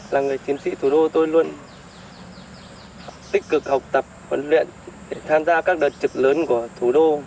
là người chiến sĩ thủ đô tôi luôn tích cực học tập huấn luyện để tham gia các đợt trực lớn của thủ đô